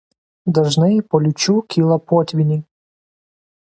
Dažnai po liūčių kyla potvyniai.